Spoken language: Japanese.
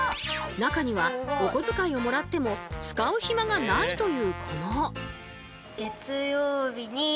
中にはおこづかいをもらっても使うヒマがないという子も。